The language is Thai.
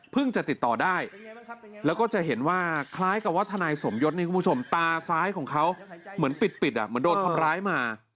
จะติดต่อได้แล้วก็จะเห็นว่าคล้ายกับว่าทนายสมยศนี่คุณผู้ชมตาซ้ายของเขาเหมือนปิดเหมือนโดนทำร้ายมา